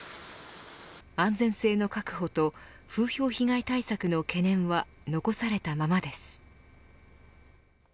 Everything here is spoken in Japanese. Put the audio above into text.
安全性の確保と風評被害対策の懸念は残されたままです。